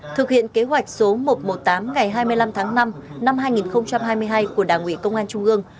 thực hiện kế hoạch số một trăm một mươi tám ngày hai mươi năm tháng năm năm hai nghìn hai mươi hai của đảng ủy công an trung ương